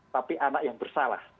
tapi anak yang bersalah